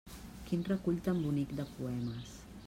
Quin recull tan bonic de poemes!